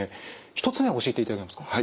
１つ目を教えていただけますか？